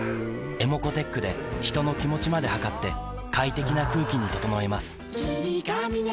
ｅｍｏｃｏーｔｅｃｈで人の気持ちまで測って快適な空気に整えます